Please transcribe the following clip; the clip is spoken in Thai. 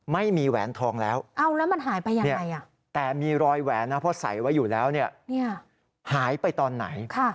ไม่มีแหวนทองแล้วแต่มีรอยแหวนเพราะใส่ไว้อยู่แล้วหายไปตอนไหน